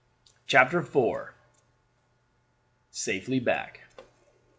CHAPTER IV. SAFELY BACK.